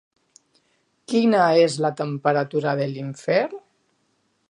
Quina és la temperatura de l'infern?